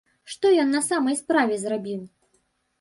Што ён на самай справе зрабіў?